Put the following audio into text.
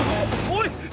おい！